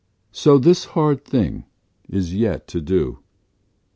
So this hard thing is yet to do.